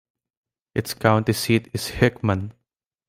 Its county seat is Hickman.